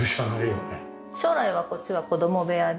将来はこっちは子供部屋で。